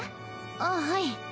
あっはい。